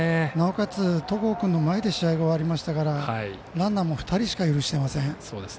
なおかつ都甲君の前で試合が終わりましたからランナーも２人しか許してません。